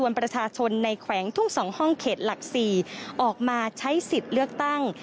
ประชาชนในแขวงทุ่ง๒ห้องเขตหลัก๔ออกมาใช้สิทธิ์เลือกตั้ง